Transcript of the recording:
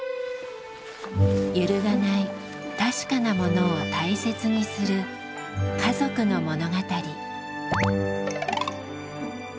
揺るがない「確かなもの」を大切にする家族の物語。